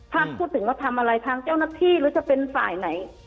ถ้าพูดถึงว่าทำอะไรทางเจ้าหน้าที่หรือจะเป็นฝ่ายไหน